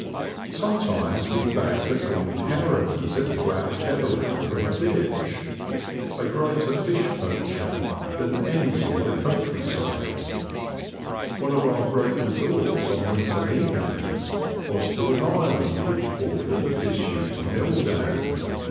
Sometimes we bagged a gaunt heron as it flapped heavily from C2 26 The Confessions of a Poacher. a ditch — a greater fish poacher than any in the country side. One of our great resorts on winter evenings was to an island which bor dered a disused mill dam.